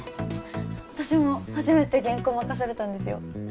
私も初めて原稿任されたんですよ